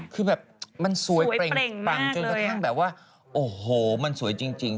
คือแบบมันสวยเปล่งปังจนกระทั่งแบบว่าโอ้โหมันสวยจริง